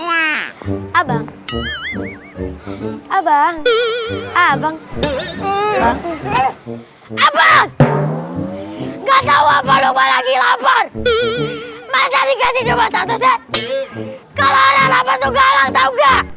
abang abang abang abang abang nggak tahu apa apa lagi lapar masih dikasih coba satu set kalau ada lapan juga langsung nggak